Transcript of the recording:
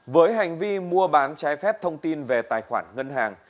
với hành vi mua bán trái phép thông tin về tài khoản ngân hàng